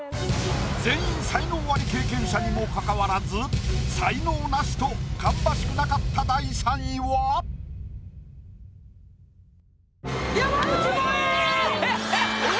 全員才能アリ経験者にもかかわらず才能ナシと芳しくなかった山口もえ！